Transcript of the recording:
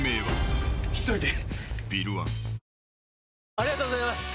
ありがとうございます！